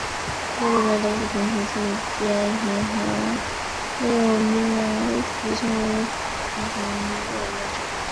六个面都是平行四边形的六面体称为平行六面体。